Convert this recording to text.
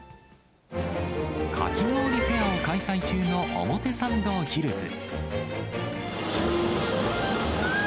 かき氷フェアを開催中の表参道ヒルズ。